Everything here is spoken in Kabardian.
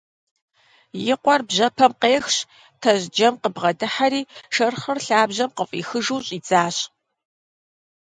И къуэр бжьэпэм къехщ, тажьджэм къыбгъэдыхьэри шэрхъыр лъабжьэм къыфӀихыжу щӀидзащ.